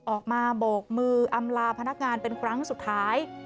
ออกมาโบกมืออำลาพนักงานเป็นครั้งสุดท้าย